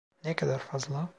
Ne kadar fazla?